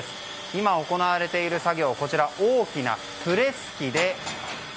今、行われている作業は大きなプレス機で。